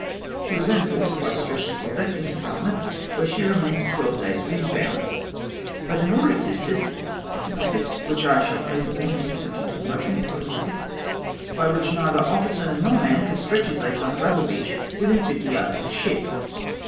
She was then forced, by stress of weather, into Falmouth, where she remained twelve days wind bound ; but an order existed (which I shall pre sently make the subject of a motion,) by which neither officer nor man could stretch his legs on the gravel beach within fifty yards of the ship